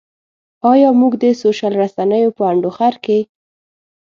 ایا موږ د سوشل رسنیو په انډوخر کې.